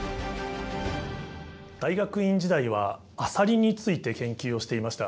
大学院時代はアサリについて研究をしていました。